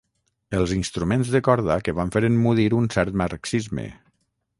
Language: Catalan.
Els instruments de corda que van fer emmudir un cert marxisme.